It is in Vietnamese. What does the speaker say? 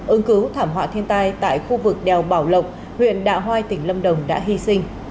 ứng cứu thảm họa thiên tai tại khu vực đèo bảo lộc huyện đạ hoai tỉnh lâm đồng đã hy sinh